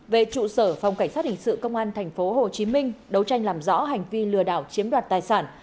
về trụ sở phòng cảnh sát hình sự công an tp hcm đấu tranh làm rõ hành vi lừa đảo chiếm đoạt tài sản